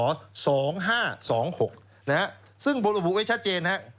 นะฮะซึ่งบทอภูมิไว้ชัดเจนนะครับ